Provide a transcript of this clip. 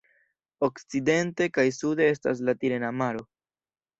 Okcidente kaj sude estas la Tirena Maro.